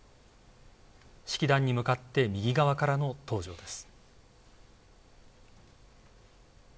式壇に向かって右側からの登場です。